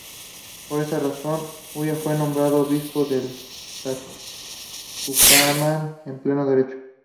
Por esa razón, Ulloa fue nombrado obispo del Tucumán a pleno derecho.